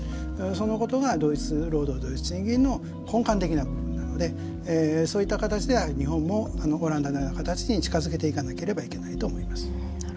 そのことが同一労働同一賃金の根幹的な部分なのでそういった形で日本もオランダのような形に近づけていかなければいけないと思います。